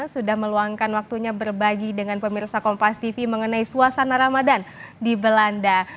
sudah meluangkan waktunya berbagi dengan pemirsa kompas tv mengenai suasana ramadan di belanda